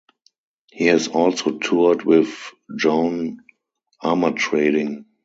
He has also toured with Joan Armatrading.